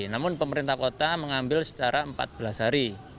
namun pemerintah kota mengambil secara empat belas hari